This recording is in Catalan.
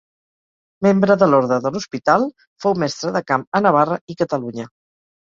Membre de l'Orde de l'Hospital, fou mestre de camp a Navarra i Catalunya.